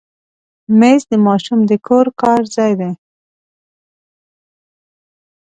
مېز د ماشوم د کور کار ځای دی.